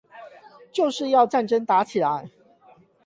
就是要戰爭打起來